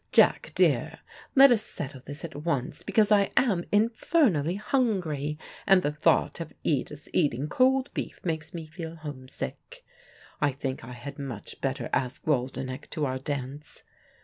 Jack, dear, let us settle this at once, because I am infernally hungry, and the thought of Edith's eating cold beef makes me feel homesick. I think I had much better ask Waldenech to our dance.